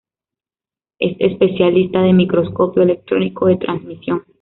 Es especialista de microscopio electrónico de transmisión.